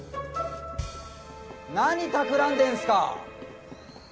何たくらんでんすか。